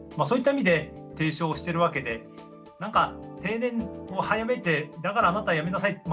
そういった意味で提唱してるわけで何か定年を早めてだからあなた辞めなさい。